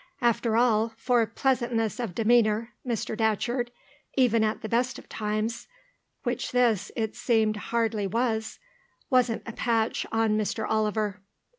After all, for pleasantness of demeanour, Mr. Datcherd, even at the best of times (which this, it seemed, hardly was) wasn't a patch on Mr. Oliver.